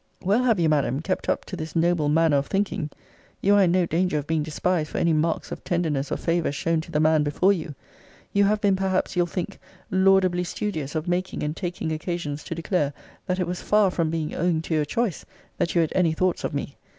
Well have you, Madam, kept up to this noble manner of thinking. You are in no danger of being despised for any marks of tenderness or favour shown to the man before you. You have been perhaps, you'll think, laudably studious of making and taking occasions to declare, that it was far from being owing to your choice, that you had any thoughts of me.